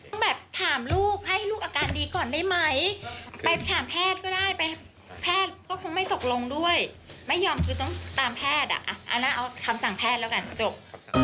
แบบถามลูกให้ลูกอาการดีก่อนได้ไหมไปถามแพทย์ก็ได้ไปแพทย์ก็คงไม่ตกลงด้วยไม่ยอมคือต้องตามแพทย์อ่ะอันนั้นเอาคำสั่งแพทย์แล้วกันจบ